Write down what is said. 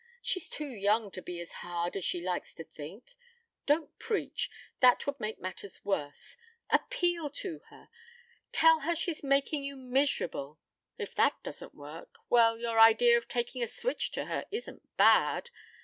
She's too young to be as hard as she likes to think. Don't preach. That would make matters worse. Appeal to her. Tell her she's making you miserable. If that doesn't work well, your idea of taking a switch to her isn't bad.